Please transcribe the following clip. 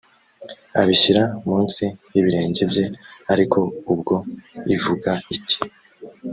abishyira munsi y ibirenge bye ariko ubwo ivuga iti